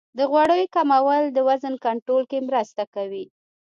د غوړیو کمول د وزن کنټرول کې مرسته کوي.